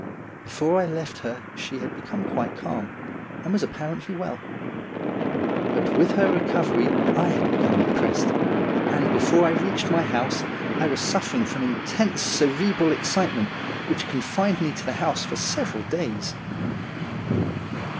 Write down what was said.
Before I left her she had become quite calm, and was ap parently well. But with her recovery I had become depressed, and before I reached my house I was suffering from intense cerebral excitement, which confined me to the house for several days.